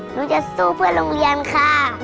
หนูจะสู้เพื่อโรงเรียนค่ะ